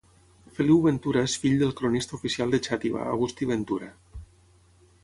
Feliu Ventura és fill del cronista oficial de Xàtiva Agustí Ventura.